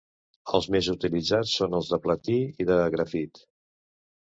Els més utilitzats són els de platí i de grafit.